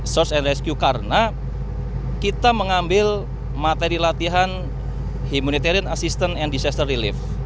source and rescue karena kita mengambil materi latihan humonitarian assistance and disaster relief